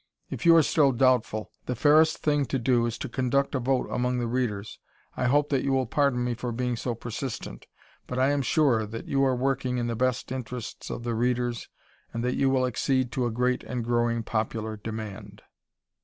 If you are still doubtful, the fairest thing to do is to conduct a vote among the readers. I hope that you will pardon me for being so persistent, but I am sure that you are working in the best interests of the readers and that you will accede to a great and growing popular demand.